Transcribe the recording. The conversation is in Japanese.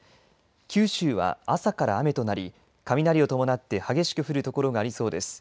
九州は朝から雨となり雷を伴って激しく降るところがありそうです。